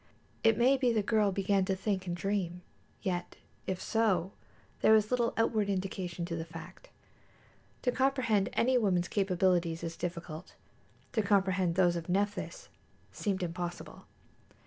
It may be the girl began to think and to dream; yet if so, there was little outward indication of the fact. To comprehend any woman's capabilities is difficult; to comprehend those of Nephthys seemed impossible.